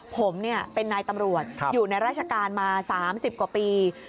ผมเป็นนายตำรวจอยู่ในราชการมา๓๐กว่าปี